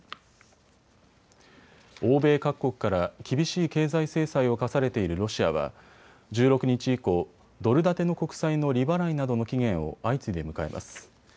欧米各国から厳しい経済制裁を科されているロシアは１６日以降、ドル建ての国債の利払いなどの期限を相次いで迎えます。